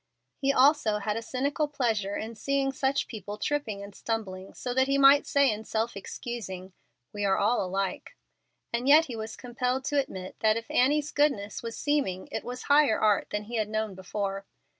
He also had a cynical pleasure in seeing such people tripping and stumbling, so that he might say in self excusing, "We are all alike." And yet he was compelled to admit that if Annie's goodness was seeming it was higher art than he had known before.